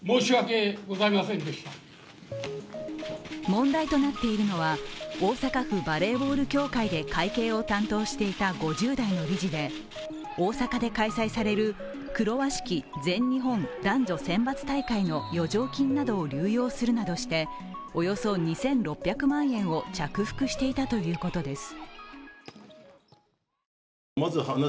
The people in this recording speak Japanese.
問題となっているのは、大阪府バレー協会で会計を担当していた５０代の理事で、大阪で開催される黒鷲旗全日本男女選抜大会の余剰金などを流用するなどして、およそ２６００万円を着服していたということです。